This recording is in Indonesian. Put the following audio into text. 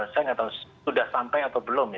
saya nggak tahu sudah sampai atau belum ya